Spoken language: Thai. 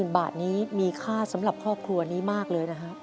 ๐บาทนี้มีค่าสำหรับครอบครัวนี้มากเลยนะครับ